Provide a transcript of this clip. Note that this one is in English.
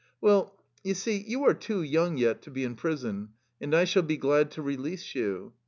"Well, you see, you are too young yet to be in prison, and I shall be glad to release you.